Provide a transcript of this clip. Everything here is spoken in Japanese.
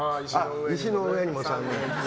石の上にも三年。